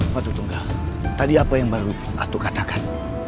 waktu tunggal tadi apa yang baru atuk katakan